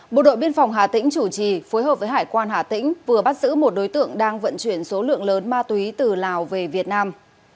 bộ đội biên phòng hà tĩnh chủ trì phối hợp với hải quan hà tĩnh vừa bắt giữ một đối tượng đang vận chuyển số lượng lớn ma túy từ lào về việt nam